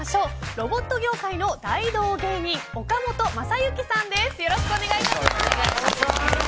ロボット業界の大道芸人岡本正行さんです。